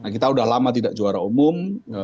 kita sudah lama tidak juara umum